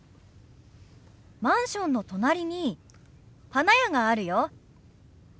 マンションの隣に花屋があるよ。